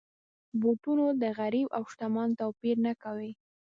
بوټونه د غریب او شتمن توپیر نه کوي.